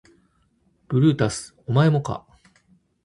ブルータスお前もか